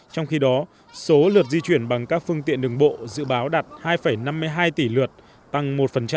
trong khi đó số lượt di chuyển bằng các phương tiện đường bộ dự báo đạt hai năm mươi hai tỷ lượt tăng một